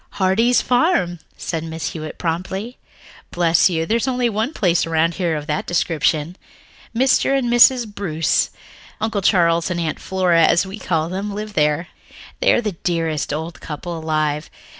"Heartsease Farm," said Mrs. Hewitt promptly. "Bless you, there's only one place around here of that description. Mr. and Mrs. Bruce, Uncle Charles and Aunt Flora, as we all call them, live there. They are the dearest old couple alive.